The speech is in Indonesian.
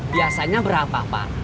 biasanya berapa pak